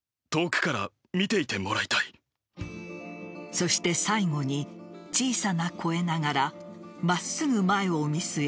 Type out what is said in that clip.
そして最後に小さな声ながら真っすぐ前を見据え